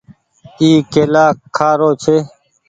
اي ڪيلآ کآ رو ڇي۔